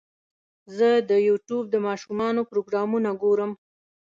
زه د یوټیوب د ماشومانو پروګرامونه ګورم.